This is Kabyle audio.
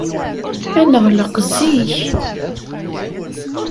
Ad neɣleq zik.